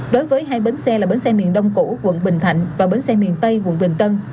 đối với hai bến xe là bến xe miền đông củ quận bình thạnh và bến xe miền tây quận bình tân